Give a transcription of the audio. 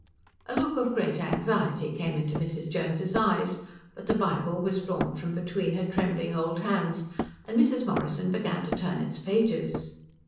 A look of great anxiety came into Mrs. Jones's eyes, but the Bible was drawn from between her trembling old hands, and Mrs. Morrison began to turn its pages.